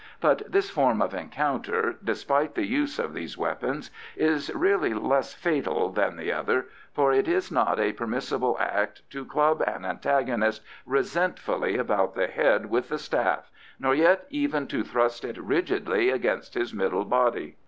But this form of encounter, despite the use of these weapons, is really less fatal than the other, for it is not a permissible act to club an antagonist resentfully about the head with the staff, nor yet even to thrust it rigidly against his middle body.